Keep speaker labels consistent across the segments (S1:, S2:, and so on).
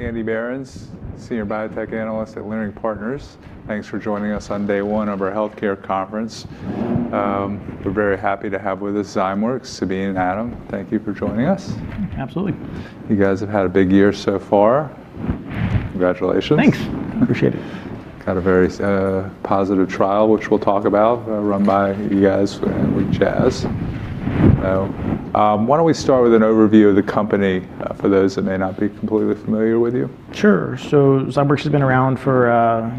S1: Andy Berens, senior biotech analyst at Leerink Partners. Thanks for joining us on day one of our healthcare conference. We're very happy to have with us Zymeworks, Sabeen and Adam. Thank you for joining us.
S2: Absolutely.
S1: You guys have had a big year so far. Congratulations.
S2: Thanks. Appreciate it.
S1: Had a very positive trial, which we'll talk about, run by you guys with Jazz. why don't we start with an overview of the company, for those that may not be completely familiar with you?
S2: Sure. Zymeworks has been around for,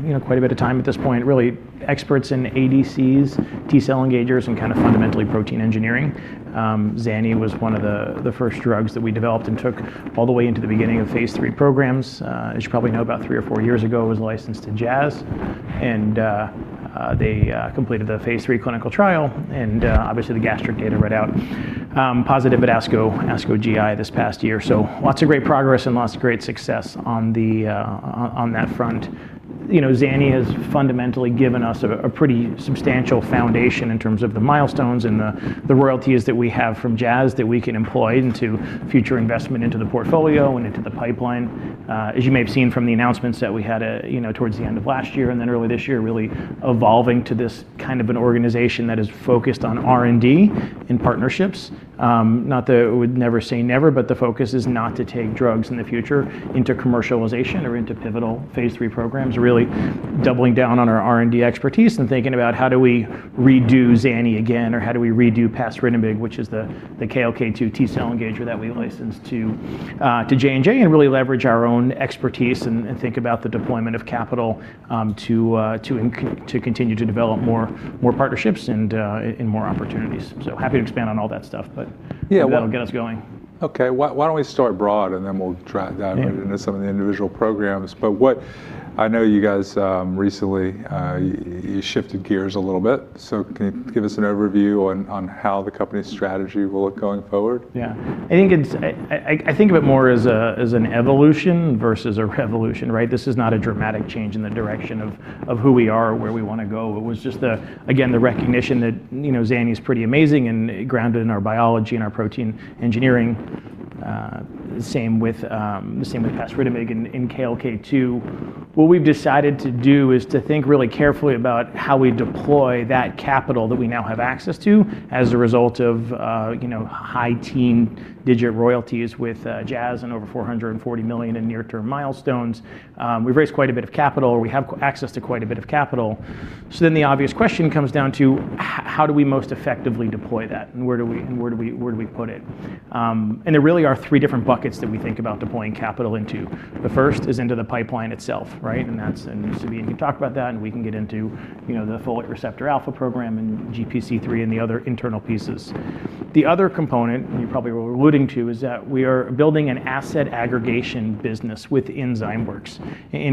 S2: you know, quite a bit of time at this point, really experts in ADCs, T-cell engagers, and kind of fundamentally protein engineering. Zani was one of the first drugs that we developed and took all the way into the beginning of phase III programs. As you probably know, about three or four years ago, it was licensed to Jazz and they completed the phase III clinical trial and obviously the gastric data read out positive at ASCO GI this past year. Lots of great progress and lots of great success on that front. You know Zani has fundamentally given us a pretty substantial foundation in terms of the milestones and the royalties that we have from Jazz that we can employ into future investment into the portfolio and into the pipeline. As you may have seen from the announcements that we had, you know, towards the end of last year and then early this year, really evolving to this kind of an organization that is focused on R&D and partnerships, not that we'd never say never, but the focus is not to take drugs in the future into commercialization or into pivotal phase III programs, really doubling down on our R&D expertise and thinking about how do we redo Zani again, or how do we redo Pasritinib, which is the KLK2 T-cell engager that we licensed to J&J, and really leverage our own expertise and think about the deployment of capital to continue to develop more partnerships and more opportunities. Happy to expand on all that stuff.
S1: Yeah. Well-...
S2: that'll get us going.
S1: Okay. Why don't we start broad and then we'll.
S2: Yeah...
S1: into some of the individual programs. What I know you guys, recently, you shifted gears a little bit, so can you give us an overview on how the company's strategy will look going forward?
S2: Yeah. I think of it more as an evolution versus a revolution, right? This is not a dramatic change in the direction of who we are or where we wanna go. It was just again, the recognition that, you know, Zani's pretty amazing and grounded in our biology and our protein engineering. Same with Pasritinib and KLK2. What we've decided to do is to think really carefully about how we deploy that capital that we now have access to as a result of, you know, high teen digit royalties with Jazz and over $440 million in near term milestones. We've raised quite a bit of capital, or we have access to quite a bit of capital, so then the obvious question comes down to how do we most effectively deploy that, and where do we put it? There really are three different buckets that we think about deploying capital into. The first is into the pipeline itself, right? That's, and Sabeen can talk about that, and we can get into, you know, the folate receptor alpha program and GPC3 and the other internal pieces. The other component, and you probably were alluding to, is that we are building an asset aggregation business within Zymeworks.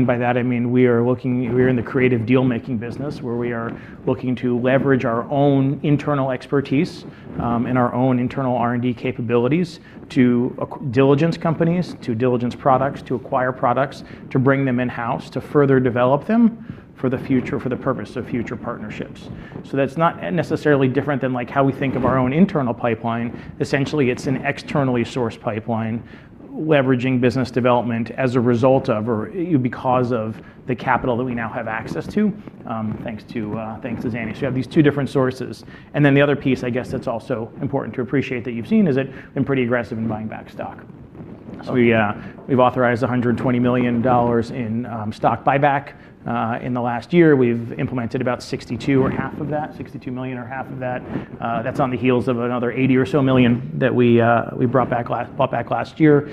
S2: By that I mean we are in the creative deal-making business where we are looking to leverage our own internal expertise, and our own internal R&D capabilities to diligence companies, to diligence products, to acquire products, to bring them in-house, to further develop them for the future, for the purpose of future partnerships. That's not necessarily different than, like, how we think of our own internal pipeline. Essentially, it's an externally sourced pipeline leveraging business development as a result of, or because of the capital that we now have access to, thanks to Zani. You have these two different sources. The other piece I guess that's also important to appreciate that you've seen is that we've been pretty aggressive in buying back stock.
S1: Okay.
S2: We've authorized $120 million in stock buyback in the last year. We've implemented about 62 or half of that, $62 million or half of that. That's on the heels of another $80 or so million that we bought back last year.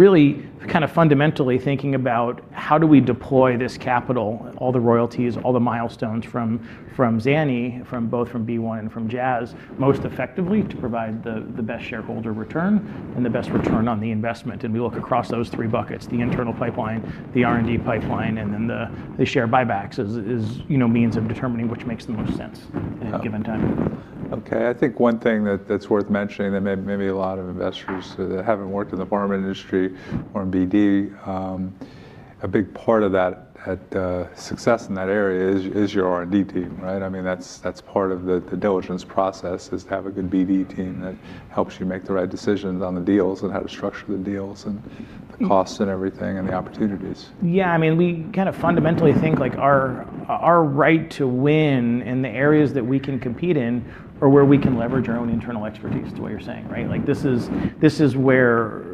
S2: Really kind of fundamentally thinking about how do we deploy this capital, all the royalties, all the milestones from Zani, from both from BeiGene and from Jazz most effectively to provide the best shareholder return and the best return on the investment. We look across those three buckets, the internal pipeline, the R&D pipeline, and then the share buybacks as, you know, means of determining which makes the most sense at a given time.
S1: Okay. I think one thing that's worth mentioning that maybe a lot of investors that haven't worked in the pharma industry or in BD, a big part of that success in that area is your R&D team, right? I mean, that's part of the diligence process is to have a good BD team that helps you make the right decisions on the deals and how to structure the deals and the costs and everything and the opportunities.
S2: Yeah. I mean, we kind of fundamentally think, like, our right to win in the areas that we can compete in are where we can leverage our own internal expertise to what you're saying, right? Like, this is, this is where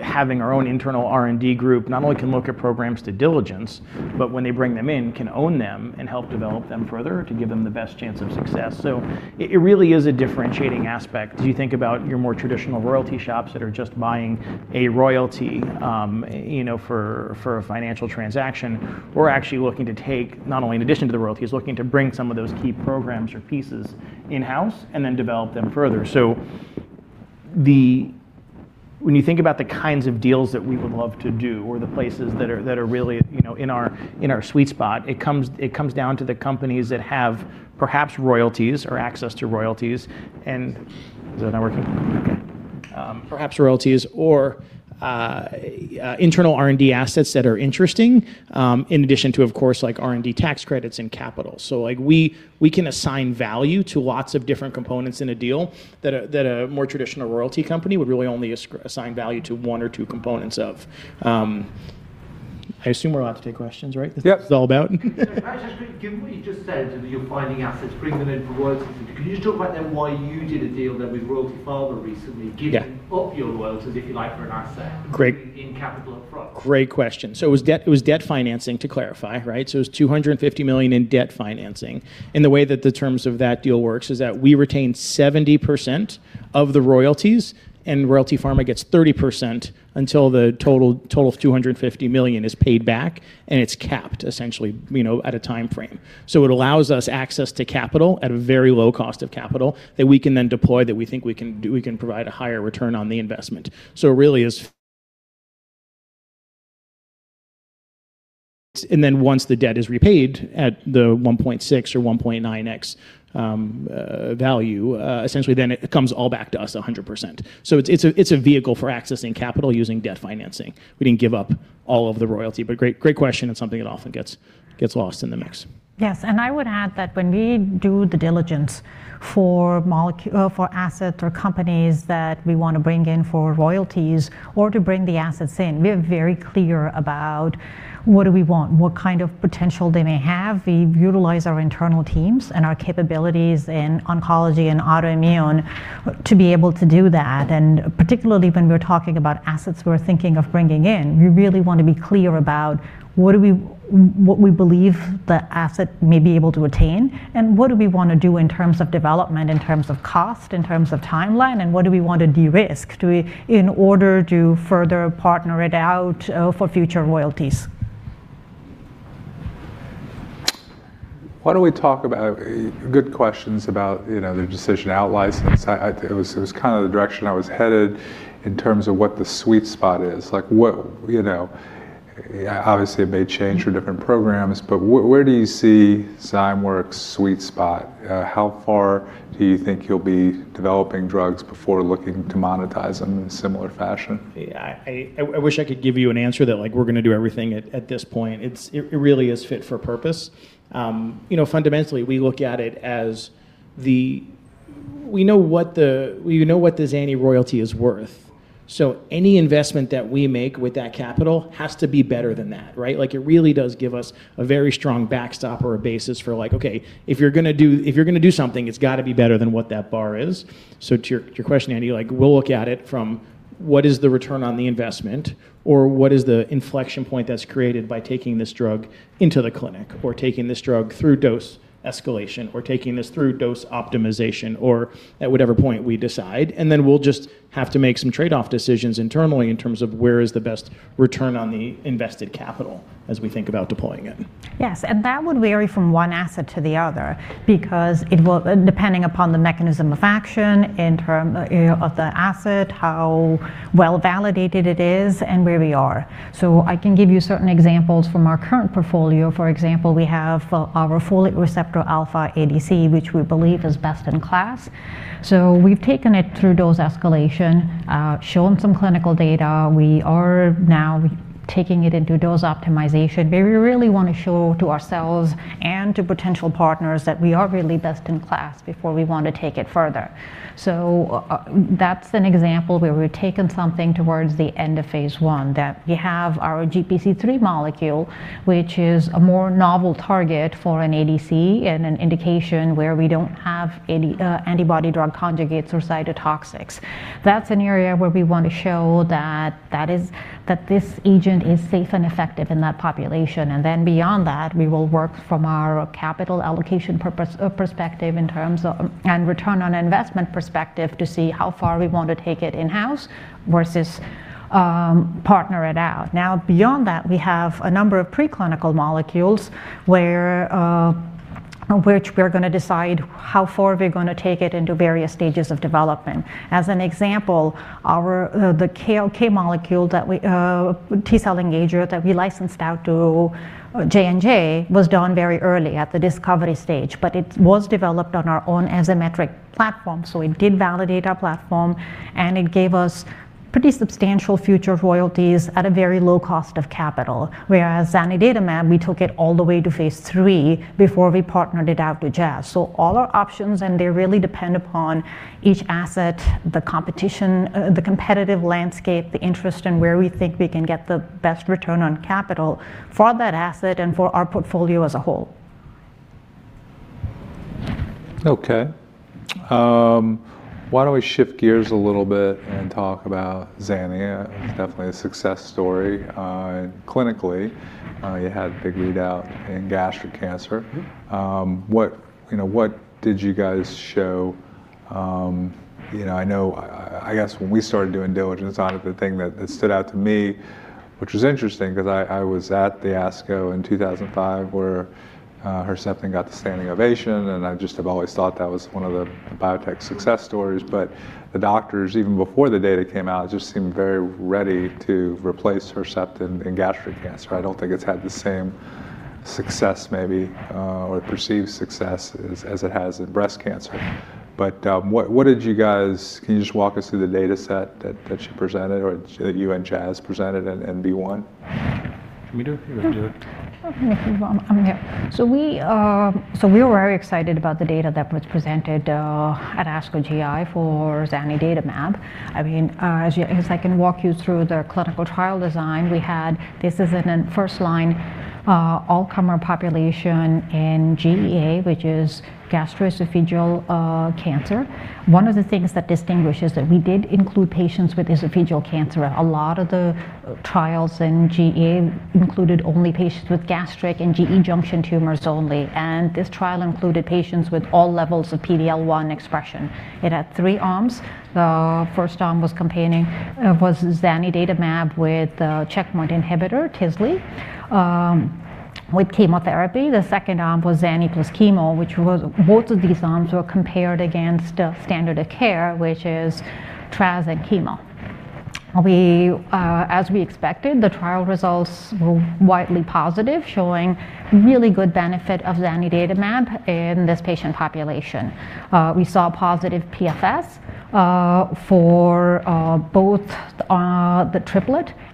S2: having our own internal R&D group not only can look at programs to diligence, but when they bring them in, can own them and help develop them further to give them the best chance of success. It, it really is a differentiating aspect as you think about your more traditional royalty shops that are just buying a royalty, you know, for a financial transaction. We're actually looking to take, not only in addition to the royalties, looking to bring some of those key programs or pieces in-house and then develop them further. When you think about the kinds of deals that we would love to do or the places that are really, you know, in our, in our sweet spot, it comes down to the companies that have perhaps royalties or access to royalties. Is it not working? Okay. Perhaps royalties or internal R&D assets that are interesting, in addition to, of course, like R&D tax credits and capital. Like, we can assign value to lots of different components in a deal that a more traditional royalty company would really only assign value to one or two components of. I assume we're allowed to take questions, right?
S3: Yep.
S2: That's what this is all about.
S1: given what you just said, you're finding assets, bringing them in for royalties, can you just talk about then why you did a deal then with Royalty Pharma recently? Yeah giving up your royalties, if you like, for an asset
S2: Great
S1: in capital approach?
S2: Great question. It was debt, it was debt financing, to clarify, right? It was $250 million in debt financing, and the way that the terms of that deal works is that we retain 70% of the royalties and Royalty Pharma gets 30% until the total of $250 million is paid back, and it's capped, essentially, you know, at a timeframe. It allows us access to capital at a very low cost of capital that we can then deploy that we think we can provide a higher return on the investment. It really is. Then once the debt is repaid at the 1.6x or 1.9x value, essentially then it comes all back to us 100%. It's a vehicle for accessing capital using debt financing. We didn't give up all of the royalty. Great, great question. It's something that often gets lost in the mix.
S3: Yes, I would add that when we do the diligence for or asset or companies that we wanna bring in for royalties or to bring the assets in, we are very clear about what do we want, what kind of potential they may have. We utilize our internal teams and our capabilities in oncology and autoimmune to be able to do that. Particularly when we're talking about assets we're thinking of bringing in, we really wanna be clear about what we believe the asset may be able to attain, and what do we wanna do in terms of development, in terms of cost, in terms of timeline, and what do we want to de-risk in order to further partner it out for future royalties.
S1: Why don't we talk about good questions about, you know, the decision to out-license. I It was kind of the direction I was headed in terms of what the sweet spot is. Like, what, you know, obviously, it may change for different programs, but where do you see Zymeworks' sweet spot? How far do you think you'll be developing drugs before looking to monetize them in a similar fashion?
S2: Yeah, I wish I could give you an answer that, like, we're gonna do everything at this point. It really is fit for purpose. You know, fundamentally, we look at it as the. We know what the Zani royalty is worth, so any investment that we make with that capital has to be better than that, right? Like, it really does give us a very strong backstop or a basis for, like, okay, if you're gonna do something, it's gotta be better than what that bar is. To your question, Andy, like, we'll look at it from what is the return on the investment or what is the inflection point that's created by taking this drug into the clinic or taking this drug through dose escalation or taking this through dose optimization or at whatever point we decide, then we'll just have to make some trade-off decisions internally in terms of where is the best return on the invested capital as we think about deploying it.
S3: Yes, that would vary from one asset to the other because depending upon the mechanism of action in term, you know, of the asset, how well-validated it is, and where we are. I can give you certain examples from our current portfolio. For example, we have our folate receptor alpha ADC, which we believe is best in class. We've taken it through dose escalation, shown some clinical data. We are now taking it into dose optimization, where we really wanna show to ourselves and to potential partners that we are really best in class before we want to take it further. That's an example where we've taken something towards the end of phase I, that we have our GPC3 molecule, which is a more novel target for an ADC and an indication where we don't have any antibody drug conjugates or cytotoxics. That's an area where we want to show that that is, that this agent is safe and effective in that population. Beyond that, we will work from our capital allocation perspective in terms of... and return on investment perspective to see how far we want to take it in-house versus partner it out. Beyond that, we have a number of preclinical molecules where which we're gonna decide how far we're gonna take it into various stages of development. As an example, our, the KLK molecule that we, T-cell engager that we licensed out to J&J was done very early at the discovery stage, but it was developed on our own Azymetric platform, so it did validate our platform, and it gave us pretty substantial future royalties at a very low cost of capital. Whereas zanidatamab, we took it all the way to phase III before we partnered it out with Jazz. All our options, and they really depend upon each asset, the competition, the competitive landscape, the interest in where we think we can get the best return on capital for that asset and for our portfolio as a whole.
S1: Okay. Why don't we shift gears a little bit and talk about Zani? It's definitely a success story, clinically. You had big read-out in gastric cancer. What, you know, what did you guys show... You know, I know, I guess when we started doing diligence on it, the thing that stood out to me, which was interesting because I was at the ASCO in 2005 where, Herceptin got the standing ovation, and I just have always thought that was one of the biotech success stories. The doctors, even before the data came out, just seemed very ready to replace Herceptin in gastric cancer. I don't think it's had the same success maybe, or perceived success as it has in breast cancer. What, what did you guys... Can you just walk us through the data set that you presented or that you and Jazz presented at MB1? Can we do it?
S2: Yeah.
S1: You wanna do it?
S3: I can keep going. I'm here. We were very excited about the data that was presented at ASCO GI for zanidatamab. I mean, as I can walk you through the clinical trial design, we had this is in a first line, all-comer population in GEA, which is gastroesophageal cancer. One of the things that distinguishes that we did include patients with esophageal cancer. A lot of the trials in GE included only patients with gastric and GE junction tumors only. This trial included patients with all levels of PD-L1 expression. It had three arms. The first arm was comparing zanidatamab with a checkpoint inhibitor, Tisle, with chemotherapy. The second arm was Zani plus chemo, which was both of these arms were compared against the standard of care, which is tras and chemo. We, as we expected, the trial results were widely positive, showing really good benefit of zanidatamab in this patient population. We saw positive PFS for both the triplet and the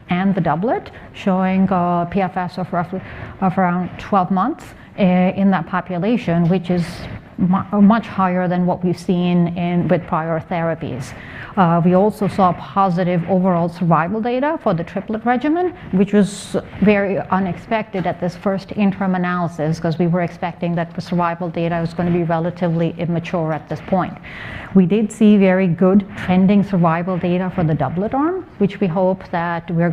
S3: doublet, showing a PFS of around 12 months in that population, which is much higher than what we've seen with prior therapies. We also saw positive overall survival data for the triplet regimen, which was very unexpected at this first interim analysis, 'cause we were expecting that the survival data was gonna be relatively immature at this point. We did see very good trending survival data for the doublet arm, which we hope that we're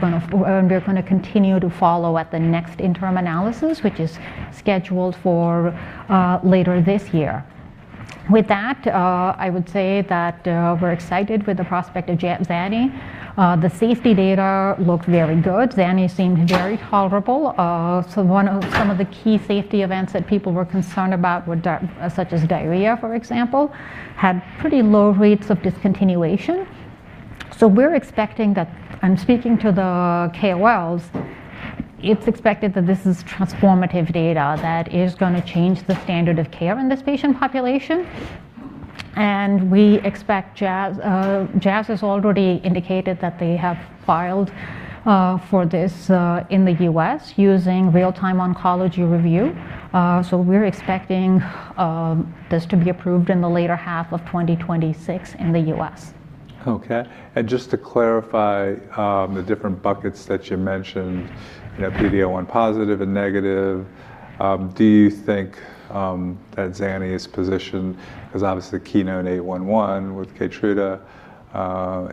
S3: gonna continue to follow at the next interim analysis, which is scheduled for later this year. With that, I would say that we're excited with the prospect of Zani. The safety data looked very good. Zani seemed very tolerable. So some of the key safety events that people were concerned about were such as diarrhea, for example, had pretty low rates of discontinuation. So we're expecting that I'm speaking to the KOLs. It's expected that this is transformative data that is gonna change the standard of care in this patient population. We expect Jazz. Jazz has already indicated that they have filed for this in the U.S. using Real-Time Oncology Review. We're expecting this to be approved in the latter half of 2026 in the U.S.
S1: Just to clarify, the different buckets that you mentioned, you know, PD-L1 positive and negative, do you think that Zani is positioned, 'cause obviously KEYNOTE-811 with Keytruda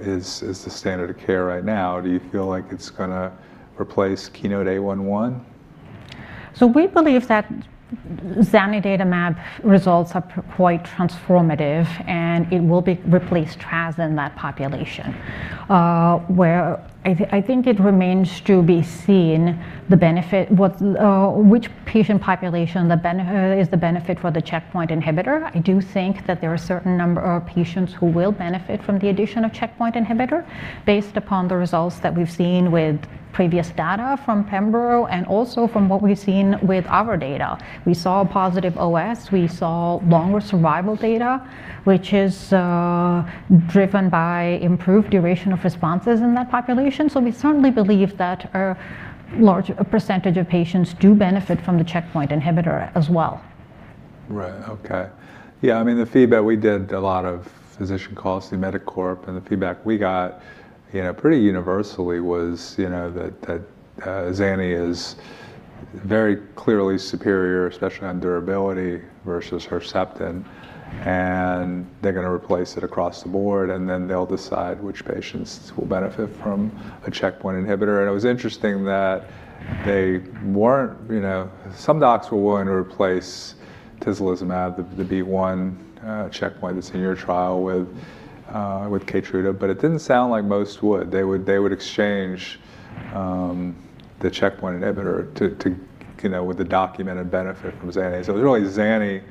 S1: is the standard of care right now? Do you feel like it's gonna replace KEYNOTE-811?
S3: We believe that zanidatamab results are quite transformative, and it will replace trastuzumab in that population. Where I think it remains to be seen the benefit, what which patient population is the benefit for the checkpoint inhibitor. I do think that there are a certain number of patients who will benefit from the addition of checkpoint inhibitor based upon the results that we've seen with previous data from Pembrolizumab and also from what we've seen with our data. We saw positive OS, we saw longer survival data, which is driven by improved duration of responses in that population. We certainly believe that a large percentage of patients do benefit from the checkpoint inhibitor as well.
S1: Right. Okay. Yeah, I mean, the feedback, we did a lot of physician calls through MEDACorp. The feedback we got, you know, pretty universally was, you know, that Zani is very clearly superior, especially on durability versus Herceptin. They're gonna replace it across the board, and then they'll decide which patients will benefit from a checkpoint inhibitor. It was interesting that they weren't. Some docs were willing to replace tislelizumab, the B one checkpoint that's in your trial with Keytruda. It didn't sound like most would. They would exchange the checkpoint inhibitor to, you know, with the documented benefit from Zani. It was really Zani,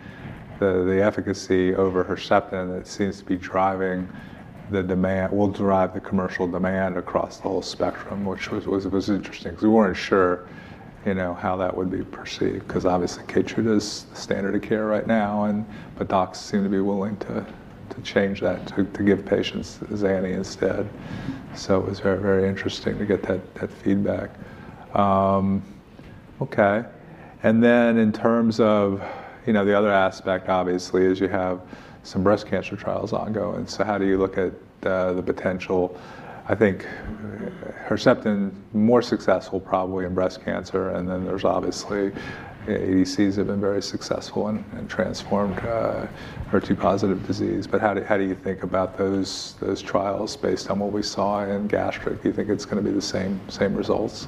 S1: the efficacy over Herceptin that seems to be driving the demand, will drive the commercial demand across the whole spectrum. Which was interesting, 'cause we weren't sure, you know, how that would be perceived, 'cause obviously Keytruda is standard of care right now and the docs seem to be willing to change that, to give patients Zani instead. It was very, very interesting to get that feedback. Okay. In terms of, you know, the other aspect obviously is you have some breast cancer trials ongoing. How do you look at the potential? I think Herceptin, more successful probably in breast cancer, and then there's obviously ADCs have been very successful and transformed HER2 positive disease. how do you think about those trials based on what we saw in gastric? Do you think it's gonna be the same results?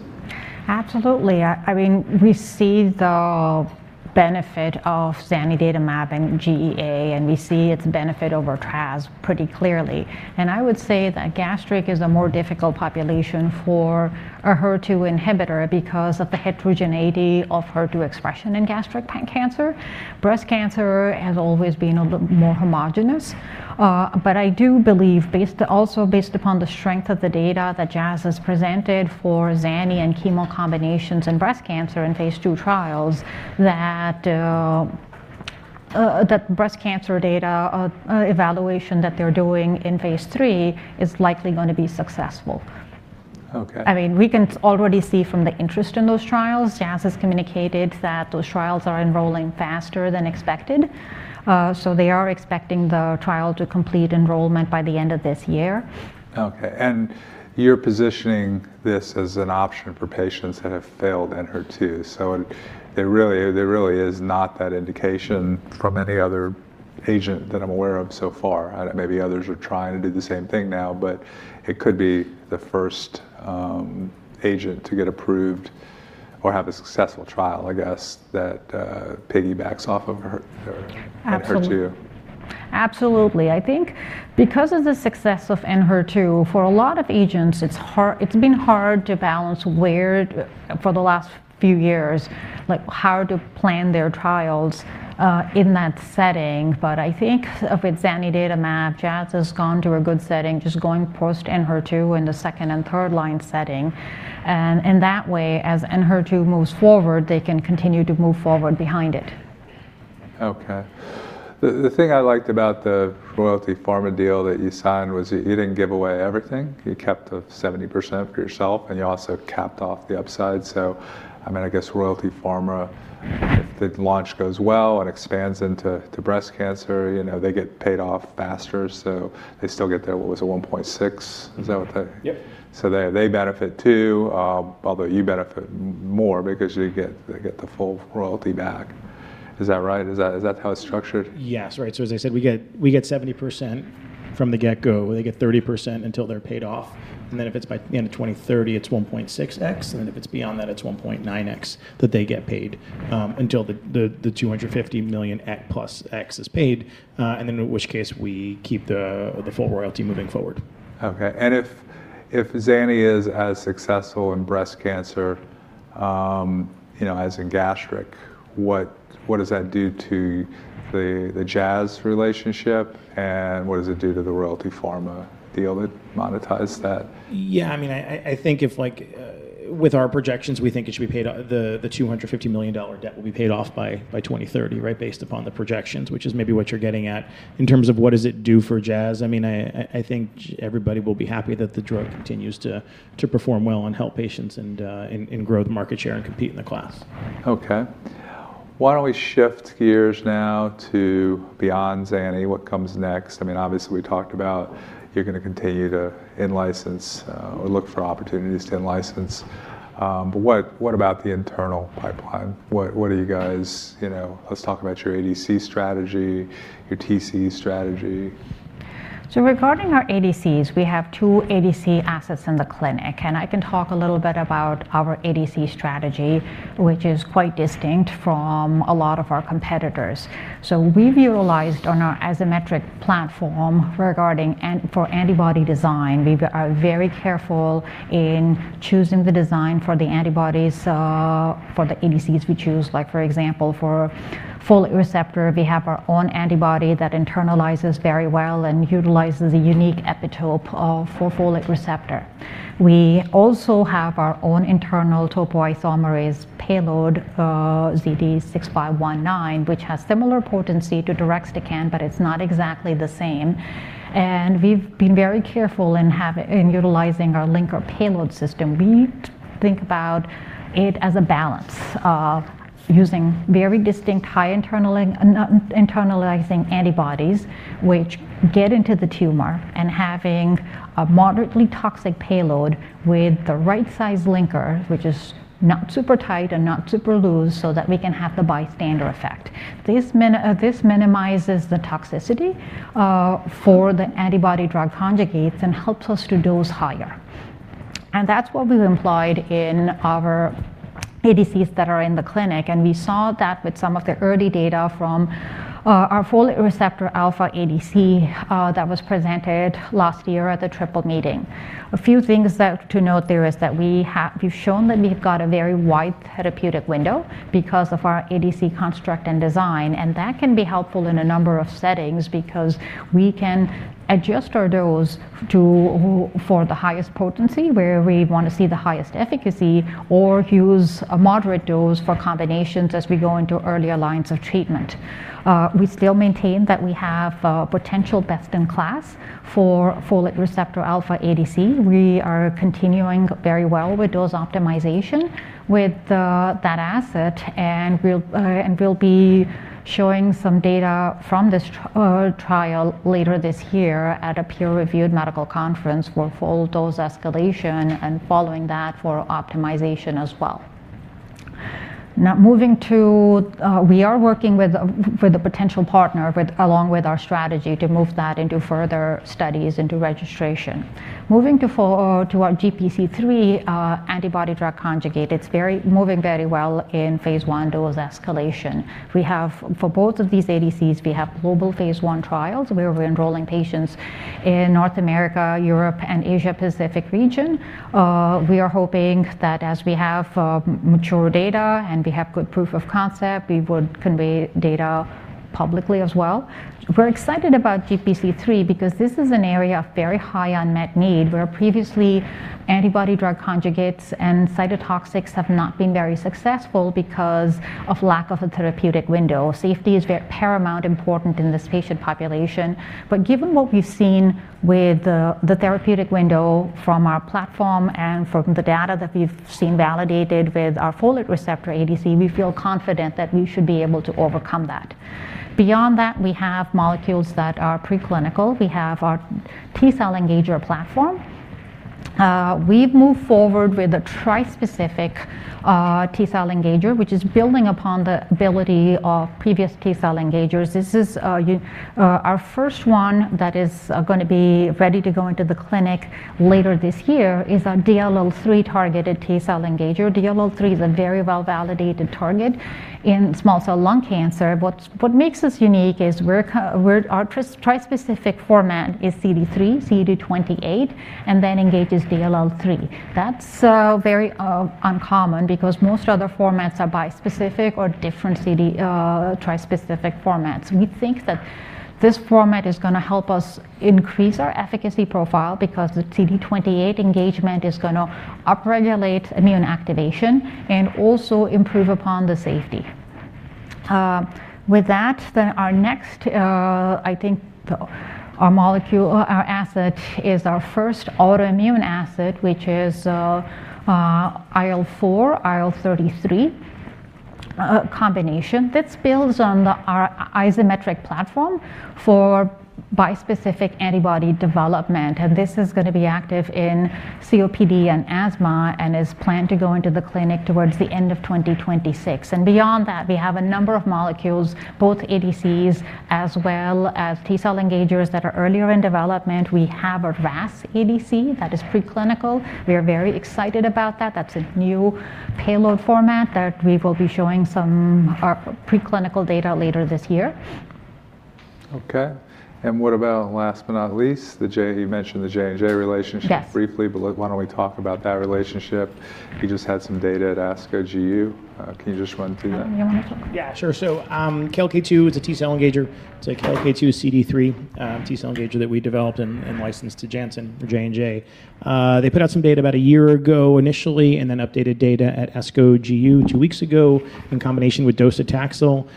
S3: Absolutely. I mean, we see the benefit of zanidatamab in GEA, and we see its benefit over tras pretty clearly. I would say that gastric is a more difficult population for a HER2 inhibitor because of the heterogeneity of HER2 expression in gastric cancer. Breast cancer has always been a little more homogeneous. I do believe also based upon the strength of the data that Jazz has presented for Zani and chemo combinations in breast cancer in phase II trials, that breast cancer data evaluation that they're doing in phase III is likely gonna be successful.
S1: Okay.
S3: I mean, we can already see from the interest in those trials, Jazz has communicated that those trials are enrolling faster than expected. They are expecting the trial to complete enrollment by the end of this year.
S1: You're positioning this as an option for patients that have failed Enhertu. There really is not that indication from any other agent that I'm aware of so far. Maybe others are trying to do the same thing now, but it could be the first agent to get approved or have a successful trial, I guess, that piggybacks off of Enhertu.
S3: Absolutely. I think because of the success of Enhertu, for a lot of agents, it's been hard to balance where, for the last few years, like how to plan their trials in that setting. I think with zanidatamab, Jazz has gone to a good setting, just going post-Enhertu in the second and third line setting. In that way, as Enhertu moves forward, they can continue to move forward behind it.
S1: Okay. The thing I liked about the Royalty Pharma deal that you signed was you didn't give away everything. You kept 70% for yourself. You also capped off the upside. I mean, I guess Royalty Pharma, if the launch goes well and expands into breast cancer, you know, they get paid off faster, so they still get their, what was it, $1.6? Is that what the-
S2: Yep.
S1: They benefit too, although you benefit more because you get, they get the full royalty back. Is that right? Is that how it's structured?
S2: Yes, right. As I said, we get 70% from the get go. They get 30% until they're paid off. Then if it's by the end of 2030, it's 1.6x, and if it's beyond that, it's 1.9x that they get paid, until the $250 million plus X is paid, in which case we keep the full royalty moving forward.
S1: Okay. If Zani is as successful in breast cancer, you know, as in gastric, what does that do to the Jazz relationship, and what does it do to the Royalty Pharma deal to monetize that?
S2: I mean, I think if like with our projections, we think it should be paid the $250 million debt will be paid off by 2030, right? Based upon the projections, which is maybe what you're getting at. In terms of what does it do for Jazz, I mean, I think everybody will be happy that the drug continues to perform well and help patients and grow the market share and compete in the class.
S1: Okay. Why don't we shift gears now to beyond Zani? What comes next? I mean, obviously, we talked about you're gonna continue to in-license or look for opportunities to in-license, what about the internal pipeline? What are you guys, you know. Let's talk about your ADC strategy, your TC strategy.
S3: Regarding our ADCs, we have two ADC assets in the clinic, I can talk a little bit about our ADC strategy, which is quite distinct from a lot of our competitors. We've utilized on our Azymetric platform regarding for antibody design. We are very careful in choosing the design for the antibodies, for the ADCs we choose. Like, for example, for folate receptor, we have our own antibody that internalizes very well and utilizes a unique epitope of, for folate receptor. We also have our own internal topoisomerase payload, ZD06519, which has similar potency to deruxtecan, but it's not exactly the same. We've been very careful in utilizing our linker payload system. We think about it as a balance of using very distinct high internalizing antibodies which get into the tumor and having a moderately toxic payload with the right size linker, which is not super tight and not super loose, so that we can have the bystander effect. This minimizes the toxicity for the Antibody-Drug Conjugates and helps us to dose higher. That's what we've employed in our ADCs that are in the clinic, and we saw that with some of the early data from our folate receptor alpha ADC that was presented last year at the Triple Meeting. A few things that to note there is that we've shown that we've got a very wide therapeutic window because of our ADC construct and design, and that can be helpful in a number of settings because we can adjust our dose for the highest potency, where we wanna see the highest efficacy, or use a moderate dose for combinations as we go into earlier lines of treatment. We still maintain that we have potential best-in-class for folate receptor alpha ADC. We are continuing very well with dose optimization with that asset, and we'll be showing some data from this trial later this year at a peer-reviewed medical conference for full dose escalation and following that for optimization as well. Moving to, we are working with, for the potential partner with, along with our strategy to move that into further studies into registration. Moving to our GPC3 antibody-drug conjugate. It's moving very well in phase I dose escalation. We have, for both of these ADCs, we have global phase I trials. We're enrolling patients in North America, Europe, and Asia Pacific region. We are hoping that as we have, mature data and we have good proof of concept, we would convey data publicly as well. We're excited about GPC3 because this is an area of very high unmet need where previously antibody-drug conjugates and cytotoxics have not been very successful because of lack of a therapeutic window. Safety is very paramount important in this patient population. Given what we've seen with the therapeutic window from our platform and from the data that we've seen validated with our folate receptor alpha ADC, we feel confident that we should be able to overcome that. Beyond that, we have molecules that are preclinical. We have our T-cell engager platform. We've moved forward with a tri-specific T-cell engager, which is building upon the ability of previous T-cell engagers. This is our first one that is gonna be ready to go into the clinic later this year is our DLL3-targeted T-cell engager. DLL3 is a very well-validated target in small cell lung cancer. What makes us unique is we're our tri-specific format is CD3, CD28, and then engages DLL3. That's very uncommon because most other formats are bispecific or different CD tri-specific formats. We think that this format is gonna help us increase our efficacy profile because the CD28 engagement is gonna upregulate immune activation and also improve upon the safety. With that, our next I think the Our molecule or our asset is our first autoimmune asset, which is IL-4/IL-33 combination. This builds on the our Azymetric platform for bispecific antibody development, this is gonna be active in COPD and asthma, and is planned to go into the clinic towards the end of 2026. Beyond that, we have a number of molecules, both ADCs as well as T-cell engagers that are earlier in development. We have a RAS ADC that is preclinical. We are very excited about that. That's a new payload format that we will be showing some preclinical data later this year.
S1: Okay. What about, last but not least, you mentioned the J&J relationship.
S3: Yes
S1: briefly, why don't we talk about that relationship? You just had some data at ASCO GU. Can you just run through that?
S3: Adam, you wanna take it?
S2: Yeah, sure. KLK2 is a T-cell engager. It's a KLK2 CD3 T-cell engager that we developed and licensed to Janssen for J&J. They put out some data about a year ago initially, and then updated data at ASCO GU two weeks ago in combination with docetaxel.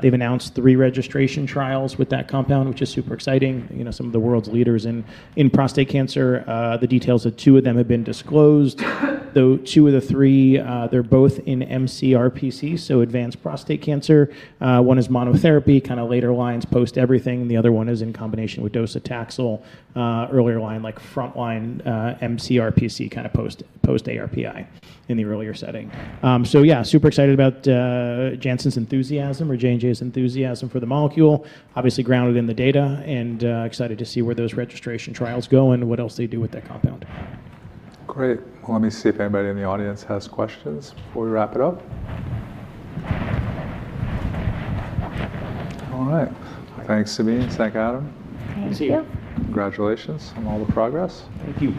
S2: They've announced three registration trials with that compound, which is super exciting. You know, some of the world's leaders in prostate cancer. The details of 2 of them have been disclosed. Though two of the three, they're both in mCRPC, so advanced prostate cancer. One is monotherapy, kinda later lines post-everything, and the other 1 is in combination with docetaxel, earlier line, like front line mCRPC, kinda post-ARPI in the earlier setting. Yeah, super excited about Janssen's enthusiasm or J&J's enthusiasm for the molecule, obviously grounded in the data, and excited to see where those registration trials go and what else they do with that compound.
S1: Great. Let me see if anybody in the audience has questions before we wrap it up. Thanks, Sabeen. Thank, Adam.
S3: Thank you.
S2: Thank you.
S1: Congratulations on all the progress.
S2: Thank you.